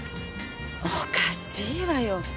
おかしいわよ。